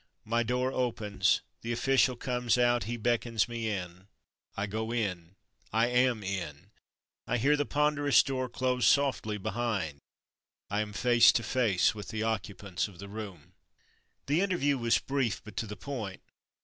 My door opens. The official comes out. He beckons me in. I go in. I am in. I hear the ponderous door close softly behind. I am face to face with the occupants of the room. The interview was brief, but to the point.